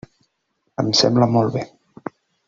Em sembla molt bé.